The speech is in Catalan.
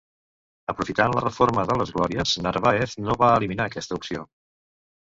Aprofitant la reforma de les Glòries, Narváez no va eliminar aquesta opció.